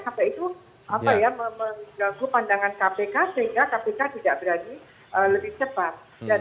sampai itu mengganggu pandangan kpk sehingga kpk tidak berani lebih cepat